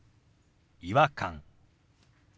「違和感」。